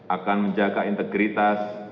akan menjaga integritas